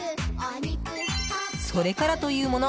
それからというもの